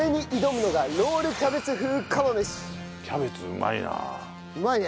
キャベツうまいな。